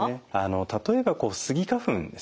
例えばスギ花粉ですね